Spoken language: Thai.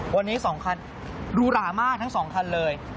วันนี้๒คันรูหรามากทั้ง๒คันเลย